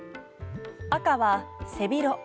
赤は、背広。